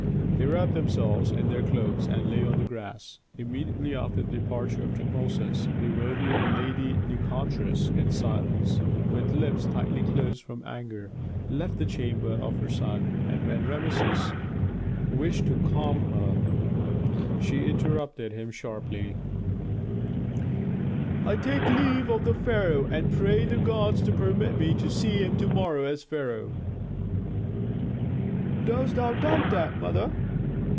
They wrapped themselves in their cloaks and lay on the grass. Immediately after the departure of Tutmosis, the worthy lady Nikotris, in silence, with lips tightly closed from anger, left the chamber of her son, and when Rameses wished to calm her, she interrupted him sharply, "I take leave of the pharaoh, and pray the gods to permit me to see him to morrow as pharaoh." "Dost thou doubt that, mother?"